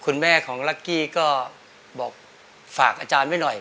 อเรนนี่ค่ะ